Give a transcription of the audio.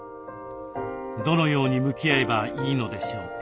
どのように向きあえばいいのでしょうか？